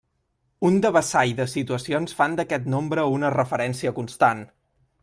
Un devessall de situacions fan d'aquest nombre una referència constant.